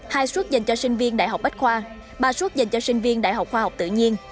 hai suốt dành cho sinh viên đại học bách khoa ba suốt dành cho sinh viên đại học khoa học tự nhiên